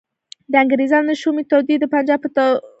د انګریزانو شومي توطیې د پنجاب په توسط تطبیق کیږي.